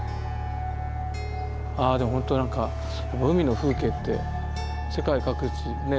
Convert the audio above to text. ああでもほんと何か海の風景って世界各地ねえ